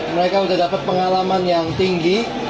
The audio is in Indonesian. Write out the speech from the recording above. mereka sudah dapat pengalaman yang tinggi